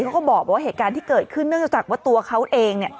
เขาก็บอกว่าเหตุการณ์ที่เกิดขึ้นเนื่องจากว่าตัวเขาเองเนี่ย